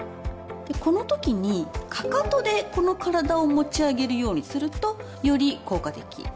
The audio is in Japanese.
このときにかかとで体を持ち上げるようにするとより効果的。